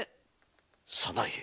早苗。